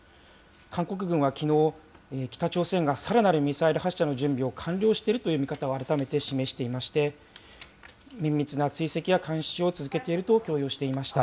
韓国軍はきのう、北朝鮮がさらなるミサイル発射の準備を完了しているという見方を改めて示していまして、綿密な追跡や監視を続けていると共有していました。